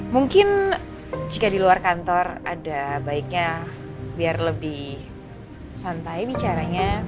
mungkin jika di luar kantor ada baiknya biar lebih santai bicaranya